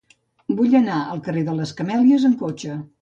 Vull anar al carrer de les Camèlies amb cotxe.